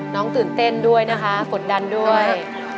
ตื่นเต้นด้วยนะคะกดดันด้วย